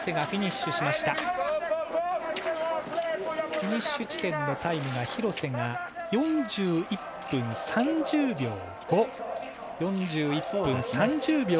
フィニッシュ地点のタイムが廣瀬が４１分３０秒５。